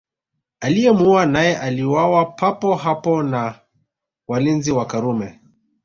Aliyemuua naye aliuawa papo hapo na walinzi wa Karume